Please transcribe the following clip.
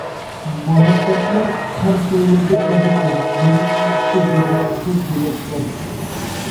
مۇھەببەتلەر قار سەيلىدە شادىمان، مېڭىشماقتا گىرەلىشىپ بىلەكلەر.